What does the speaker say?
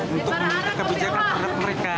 untuk menjaga kebijakan mereka